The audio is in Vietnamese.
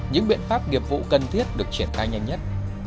những biện pháp nghiệp vụ cần thiết được triển khai nhanh nhất